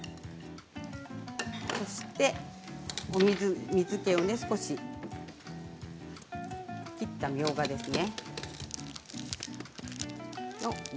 そして水けを少し切ったみょうがですね。